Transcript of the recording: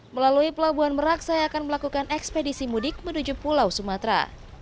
melalui pelabuhan merak saya akan melakukan ekspedisi mudik menuju pulau sumatera